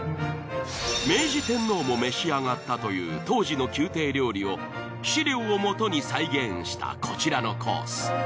明治天皇も召し上がったという当時の宮廷料理を資料をもとに再現したこちらのコース。